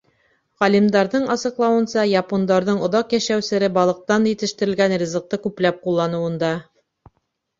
Ғалимдарҙың асыҡлауынса, япондарҙың оҙаҡ йәшәү сере балыҡтан етештерелгән ризыҡты күпләп ҡулланыуында.